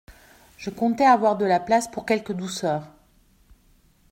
Je comptais avoir de la place pour quelques douceurs.